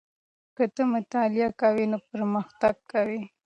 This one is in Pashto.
که ته مطالعه کوې نو پرمختګ کوې.